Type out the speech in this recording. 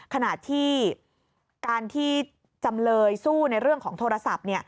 ขณะที่การที่จำเลยสู้ในเรื่องของโทรศัพท์